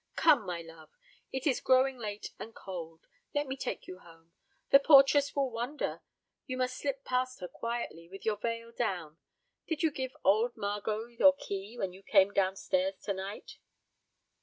Come, my love, it is growing late and cold. Let me take you home. The portress will wonder. You must slip past her quietly with your veil down. Did you give old Margot your key when you came down stairs to night?"